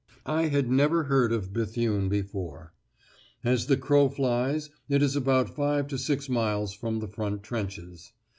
I had never heard of Béthune before. As the crow flies it is about five to six miles from the front trenches.